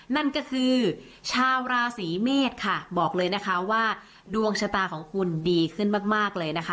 นั่นก็คือชาวราศีเมษค่ะบอกเลยนะคะว่าดวงชะตาของคุณดีขึ้นมากเลยนะคะ